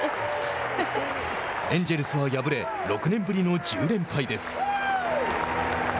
エンジェルスは敗れ６年ぶりの１０連敗です。